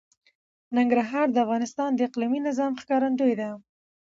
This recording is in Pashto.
ننګرهار د افغانستان د اقلیمي نظام ښکارندوی ده.